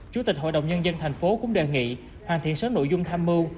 chủ tịch hội đồng nhân dân tp hcm cũng đề nghị hoàn thiện sớn nội dung tham mưu